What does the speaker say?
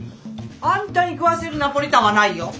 あんたに食わせるナポリタンはないよ！